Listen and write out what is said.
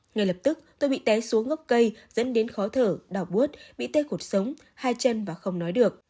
ngay lập tức tôi bị té xuống ngốc cây dẫn đến khó thở đau bút bị tê cuộc sống hai chân và không nói được